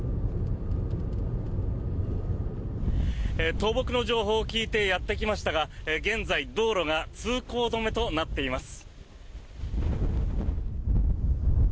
倒木の情報を聞いてやってきましたが現在、道路が通行止めとなっています。